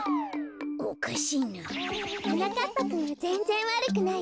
おかしいな。はなかっぱくんはぜんぜんわるくないわ。